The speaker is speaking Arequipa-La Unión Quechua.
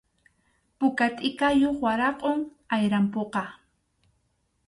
Puka tʼikayuq waraqum ayrampuqa.